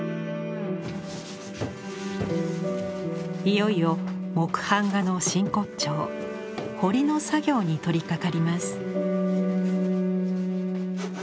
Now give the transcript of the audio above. いよいよ木版画の真骨頂「彫り」の作業に取りかかります。